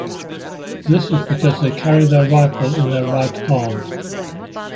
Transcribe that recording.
This is because they carry their rifle in their right arm.